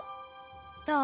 どう？